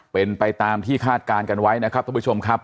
เป็นไปตามที่คาดการณ์กันไว้นะครับท่านผู้ชมครับ